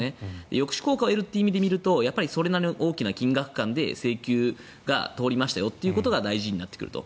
抑止効果を得るという意味で見るとそれなりの大きな金額感で請求が通りましたよということが大事になってくると。